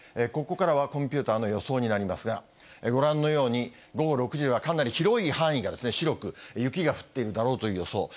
ここからはコンピューターの予想になってきますが、ご覧のように、午後６時はかなり広い範囲が白く雪が降ってるだろうという予想。